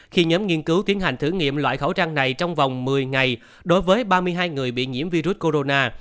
khi nhóm nghiên cứu tiến hành thử nghiệm loại khẩu trang này trong vòng một mươi ngày đối với ba mươi hai người bị nhiễm virus corona